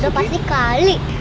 udah pasti kali